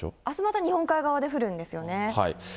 あすまた日本海側で降るんですよね。